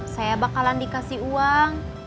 saya bakalan dikasih uang